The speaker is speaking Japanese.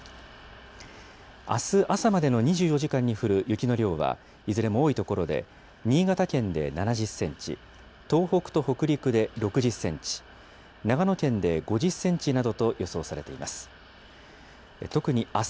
あす朝までの２４時間に降る雪の量は、いずれも多い所で、新潟県で７０センチ、東北と北陸で６０センチ、長野県で５０センチなどと予想されています。